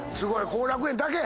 後楽園だけ。